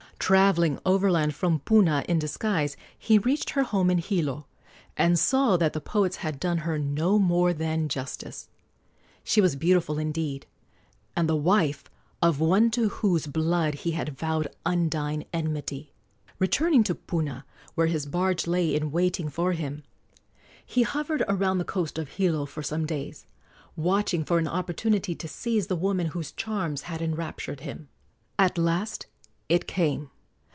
Travelling overland from Puna in disguise, he reached her home in Hilo, and saw that the poets had done her no more than justice. She was beautiful indeed, and the wife of one to whose blood he had vowed undying enmity. Returning to Puna, where his barge lay in waiting for him, he hovered around the coast of Hilo for some days, watching for an opportunity to seize the woman whose charms had enraptured him. At last it came.